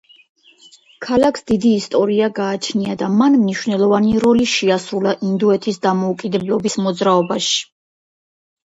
ქალაქს დიდი ისტორია გააჩნია და მან მნიშვნელოვანი როლი შეასრულა ინდოეთის დამოუკიდებლობის მოძრაობაში.